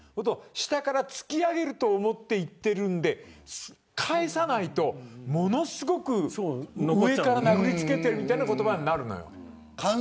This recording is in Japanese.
下から突き上げると思って言っているので返さないと、ものすごく上から殴りつけているようになるのよ。